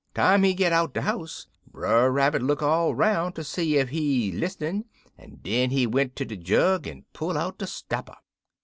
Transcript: Time he git out de house, Brer Rabbit look all 'roun' ter see ef he lis'nen, en den he went ter de jug en pull out de stopper.